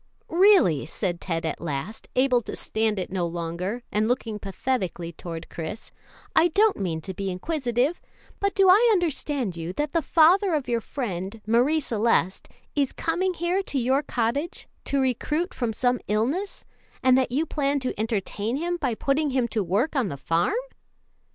"Really," said Ted at last, able to stand it no longer, and looking pathetically toward Chris, "I don't mean to be inquisitive, but do I understand you that the father of your friend, Marie Celeste, is coming here to your cottage to recruit from some illness, and that you plan to entertain him by putting him to work on the farm?"